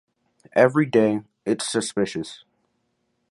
Every day... it’s suspicious!